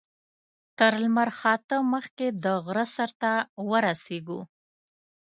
تر لمر خاته مخکې د غره سر ته ورسېږو.